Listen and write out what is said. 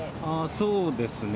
そうですね。